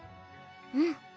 うん。